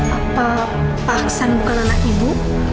apa pak hasan bukan anak ibu